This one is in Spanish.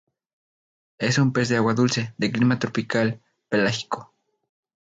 Es un pez de agua dulce, de clima tropical pelágico.